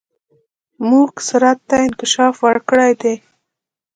موږ سرعت ته انکشاف ورکړی دی.